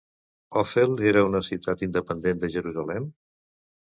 Ofel era una ciutat independent de Jerusalem?